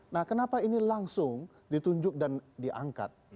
nah kenapa ini langsung ditunjuk dan diangkat